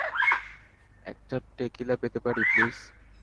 একটা টেকিলা পেতে পারি, প্লিজ?